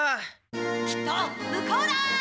きっと向こうだ！